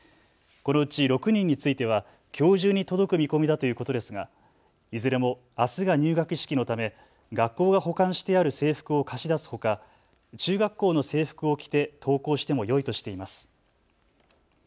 このうち６人についてはきょう中に届く見込みだということですがいずれもあすが入学式のため学校が保管してある制服を貸し出すほか中学校の制服を着て登校してもよいとしています。